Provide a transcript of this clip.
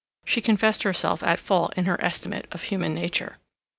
She confessed herself at fault in her estimate of human nature.